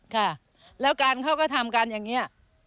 ค่ะแล้วการเขาก็ทำกันอย่างนี้